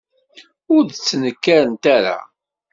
Ur d-ttnekkarent ara.